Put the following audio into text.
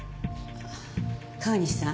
川西さん